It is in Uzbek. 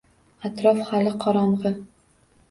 Atrof hali qorong`i